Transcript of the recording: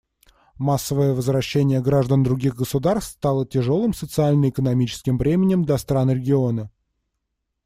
Массовое возвращение граждан других государств стало тяжелым социально-экономическим бременем для стран региона.